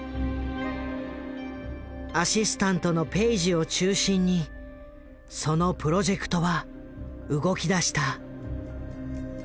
アシスタントのペイジを中心にそのプロジェクトは動きだした。